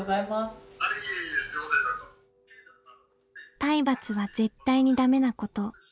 体罰は絶対に駄目なこと。